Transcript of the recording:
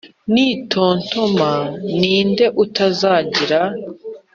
Nitontoma f ni nde utazagira